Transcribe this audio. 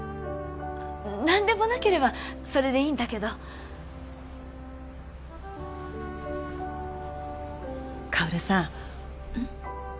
何でもなければそれでいいんだけど香さんんっ？